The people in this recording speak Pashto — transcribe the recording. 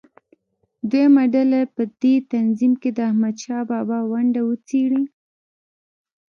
دویمه ډله دې په تنظیم کې د احمدشاه بابا ونډه وڅېړي.